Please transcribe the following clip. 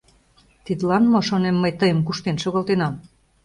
Тидлан мо, шонем, мый тыйым куштен шогалтенам?!